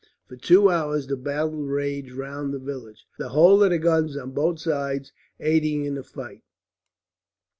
For two hours the battle raged round the village, the whole of the guns on both sides aiding in the fight.